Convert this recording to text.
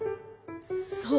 そう。